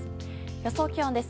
予想気温です。